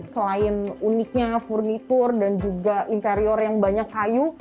selain uniknya furnitur dan juga interior yang banyak kayu